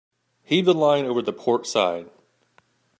Heave the line over the port side.